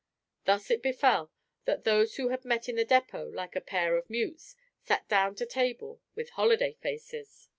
Thus it befell that those who had met at the depot like a pair of mutes, sat down to table with holiday faces.